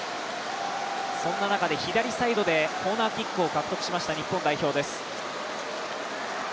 そんな中で左サイドでコーナーキックを獲得しました日本代表です。